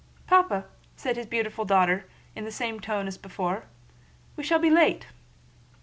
"Papa," said his beautiful daughter in the same tone as before, "we shall be late."